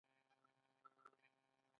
خان عبدالغفار خان د هند د ازادۍ اتل و.